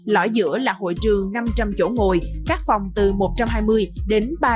lõi giữa là hội trường năm trăm linh chỗ ngồi các phòng từ một trăm hai mươi đến ba trăm linh